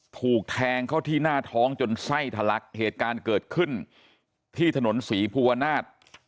ถูกแทงเข้าที่หน้าท้องจนไส้ทะลักเหตุการณ์เกิดขึ้นที่ถนนศรีภูวนาศ